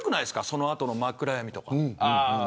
その後の真っ暗闇とか。